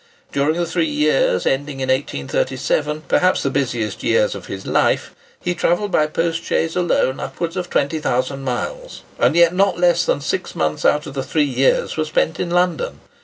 During the three years ending in 1837—perhaps the busiest years of his life —he travelled by postchaise alone upwards of 20,000 miles, and yet not less than six months out of the three years were spent in London.